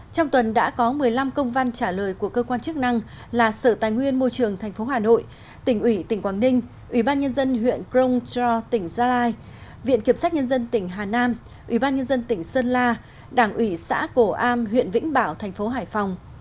trong tuần đã có một mươi năm công văn trả lời của cơ quan chức năng là sở tài nguyên môi trường tp hà nội tỉnh ủy tỉnh quảng ninh ủy ban nhân dân huyện crong tra tỉnh gia lai viện kiểm sát nhân dân tỉnh hà nam ủy ban nhân dân tỉnh sơn la đảng ủy xã cổ am huyện vĩnh bảo thành phố hải phòng